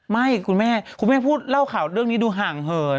คุณแม่คุณแม่พูดเล่าข่าวเรื่องนี้ดูห่างเหิน